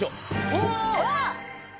うわっ！